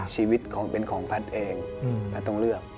ชีวิตเป็นของแพทย์เองแล้วต้องเลือก